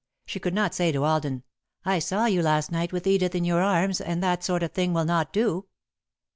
She could not say to Alden: "I saw you last night with Edith in your arms and that sort of thing will not do."